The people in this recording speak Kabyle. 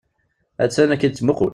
Attan la k-id-tettmuqul.